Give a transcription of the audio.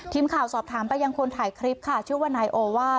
ทีมข่าวสอบถามไปยังคนถ่ายคลิปค่ะชื่อว่านายโอว่า